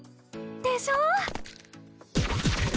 でしょ！